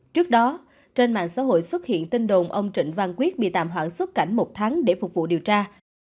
trước đó trên mạng xã hội xuất hiện tin đồn ông trịnh văn quyết bị tạm hoãn xuất cảnh một tháng để phục vụ điều tra